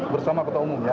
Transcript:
bersama ketua umum ya